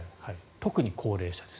特に高齢者です。